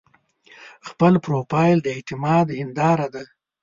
خپل پروفایل د اعتماد هنداره ده.